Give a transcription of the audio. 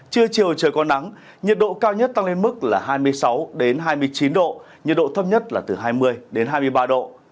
trưa chiều trời có nắng nhiệt độ cao nhất tăng lên mức là hai mươi sáu hai mươi chín độ nhiệt độ thấp nhất là từ hai mươi hai mươi ba độ